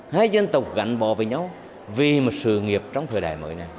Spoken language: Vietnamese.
hai dân tộc gắn bò với nhau vì một sự nghiệp trong thời đại mới này